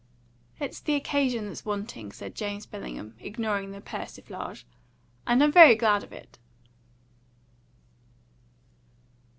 "It's the occasion that's wanting," said James Bellingham, ignoring the persiflage. "And I'm very glad of it."